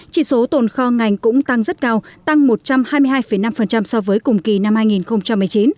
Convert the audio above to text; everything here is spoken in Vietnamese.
chỉ số tồn kho ngành cũng tăng rất cao tăng một trăm hai mươi hai năm so với cùng kỳ năm hai nghìn một mươi chín